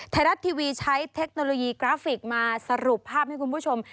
ไทยรัฐทีวีใช้เทคโนโลยีกราฟิกมาสรุปภาพให้คุณผู้ชม